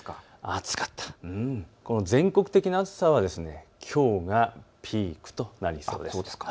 この全国的な暑さはきょうがピークとなりそうです。